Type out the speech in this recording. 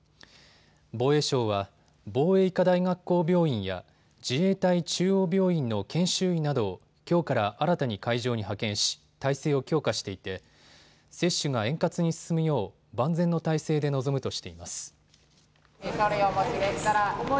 防衛省は防衛医科大学校病院や自衛隊中央病院の研修医などをきょうから新たに会場に派遣し体制を強化していて接種が円滑に進むよう万全の体制で臨むとしています。